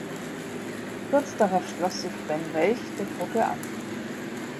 Kurz darauf schloss sich Ben Welch der Gruppe an.